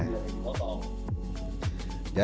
atau kita pakai garam